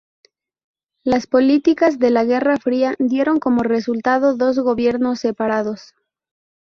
Las políticas de la Guerra Fría dieron como resultado dos gobiernos separados.